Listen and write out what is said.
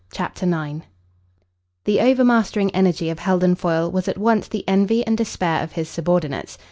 CHAPTER IX The overmastering energy of Heldon Foyle was at once the envy and despair of his subordinates.